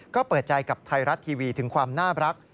ก็เปิดใจกับไทยรัฐทีวีถึงความน่ารัก